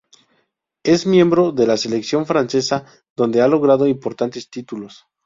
Es miembro de la selección francesa, donde ha logrado importantes títulos.